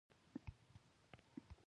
کورني استازي د بهرنیانو په ګټه کار کوي